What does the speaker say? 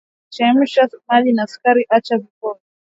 Chemsha maji na sukari acha vipoe